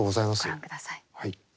はい。